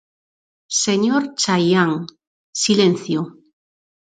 Señor Chaián, silencio.